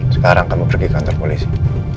sekarang kamu pergi ke kantor polisi